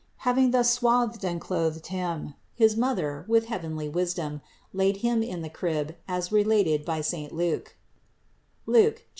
Having thus swathed and clothed Him, his Mother, with heavenly wisdom, laid Him in the crib, as related by saint Luke (Luke 2, 7).